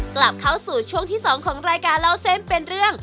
กลับเข้าสู่ช่วงที่๒ของรายการเล่าเส้นเป็นเรื่อง